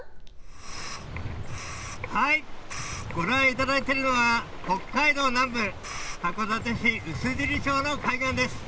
ご覧いただいてるのは、北海道南部、函館・臼尻町の海岸です。